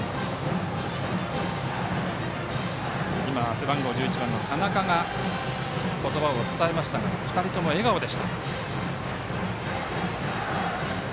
今、背番号１１番の田中が言葉を伝えましたが２人とも笑顔でした。